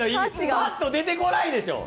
パッと出てこないでしょ。